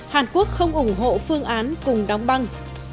hàn quốc không ủng hộ phương án cùng đóng băng